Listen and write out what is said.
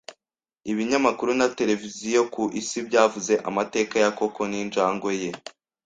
Ibinyamakuru na televiziyo ku isi byavuze amateka ya Koko n'injangwe ye .